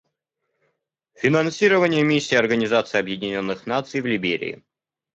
Финансирование Миссии Организации Объединенных Наций в Либерии.